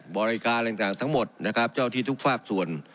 บริการอะไรต่างทั้งหมดนะครับเจ้าที่ทุกฝากส่วน